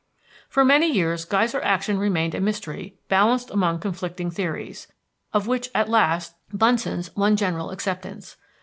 For many years geyser action remained a mystery balanced among conflicting theories, of which at last Bunsen's won general acceptance.